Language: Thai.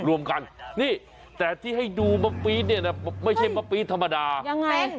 รวมกันนี่แต่ที่ให้ดูมะปี๊ดเนี่ยนะไม่ใช่มะปี๊ดธรรมดายังไง